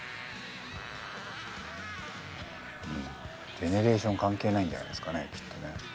ジェネレーション関係ないんじゃないですかねきっとね。